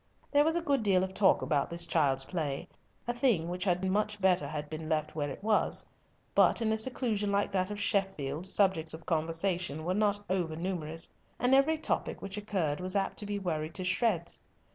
There was a good deal of talk about this child's play, a thing which had much better have been left where it was; but in a seclusion like that of Sheffield subjects of conversation were not over numerous, and every topic which occurred was apt to be worried to shreds.